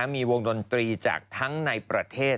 มีวงดนตรีจากทั้งในประเทศ